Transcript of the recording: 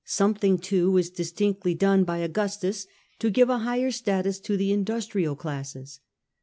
Something too was directly done by Augustus to give a higher status to the industrial classes.